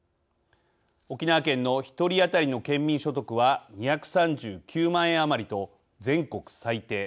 沖縄県の１人あたりの県民所得は２３９万円余りと全国最低。